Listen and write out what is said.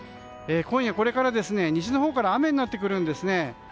今夜これから西のほうから雨になってくるんですね。